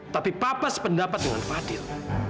tapi papa sependapat dengan fadil